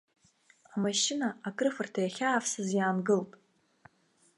Амашьына акрыфарҭа иахьаавсыз иаангылт.